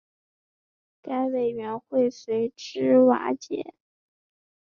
该委员会随之瓦解。